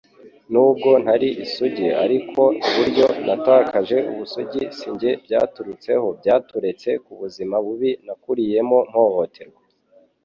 n'ubwo ntari isugi ariko uburyo natakaje ubusugi sinjye byaturutseho byaturetse kubuzima bubi nakuriyemo mpohoterwa